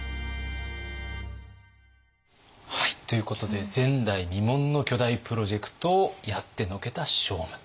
はいということで前代未聞の巨大プロジェクトをやってのけた聖武。